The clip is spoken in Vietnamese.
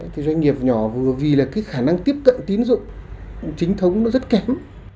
thì doanh nghiệp nhỏ vừa vì là cái khả năng tiếp cận tín dụng chính thống nó rất kém